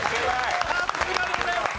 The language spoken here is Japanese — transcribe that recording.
さすがでございます！